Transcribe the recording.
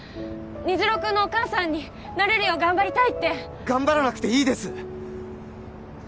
虹朗君のお母さんになれるよう頑張りたいって頑張らなくていいです！